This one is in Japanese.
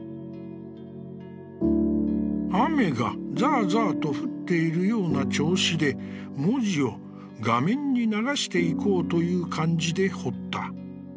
「雨がざあざあと降っているような調子で、文字を画面に流していこうという感じで彫った。